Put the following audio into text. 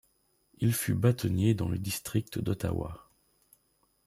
Il fut bâtonnier dans le district d'Ottawa.